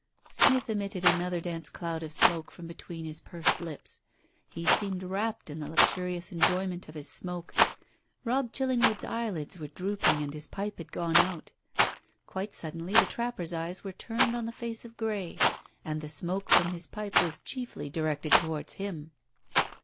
Smith emitted another dense cloud of smoke from between his pursed lips; he seemed wrapt in the luxurious enjoyment of his smoke. Robb Chillingwood's eyelids were drooping, and his pipe had gone out. Quite suddenly the trapper's eyes were turned on the face of Grey, and the smoke from his pipe was chiefly directed towards him.